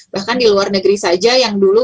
bahkan di luar negeri saja yang dulu